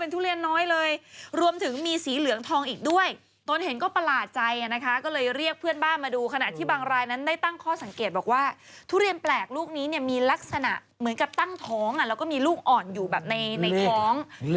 ทุเรียนน้อยเลยรวมถึงมีสีเหลืองทองอีกด้วยตนเห็นก็ประหลาดใจนะคะก็เลยเรียกเพื่อนบ้านมาดูขณะที่บางรายนั้นได้ตั้งข้อสังเกตบอกว่าทุเรียนแปลกลูกนี้เนี่ยมีลักษณะเหมือนกับตั้งท้องแล้วก็มีลูกอ่อนอยู่แบบในท้อง